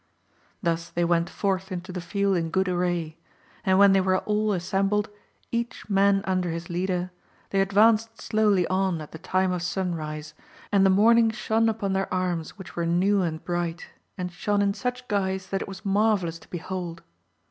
Thus they went forth into the field in good array ; and when they were all assembled, each man under his leader, they advanced slowly on at the time of sun rise, and the morning shone upon their arms which were new and bright, and shone in such guise that it was marvellous to behold.